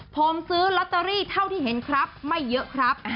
ผมซื้อลอตเตอรี่เท่าที่เห็นครับไม่เยอะครับ